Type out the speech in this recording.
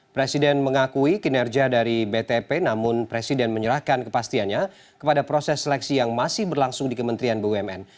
presiden mengakui kinerja dari btp namun presiden menyerahkan kepastiannya kepada proses seleksi yang masih berlangsung di kementerian bumn